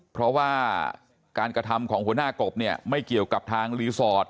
เพราะว่าการกระทำของหัวหน้ากบเนี่ยไม่เกี่ยวกับทางรีสอร์ท